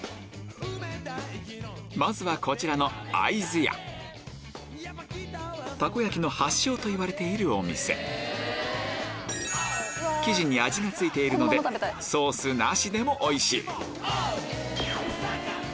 まずはこちらのたこ焼きの発祥といわれているお店生地に味が付いているのでソースなしでもおいしい！